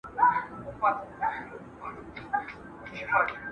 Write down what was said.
فني کارګران د غير فني کارګرانو په پرتله ډير عايد لري.